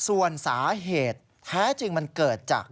โยต้องกล้าภาษณ์อยากให้คุณผู้ชมได้ฟัง